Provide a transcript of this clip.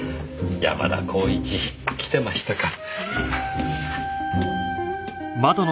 山田公一来てましたか。